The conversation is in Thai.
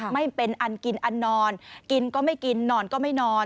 ไม่เป็นอันกินอันนอนกินก็ไม่กินนอนก็ไม่นอน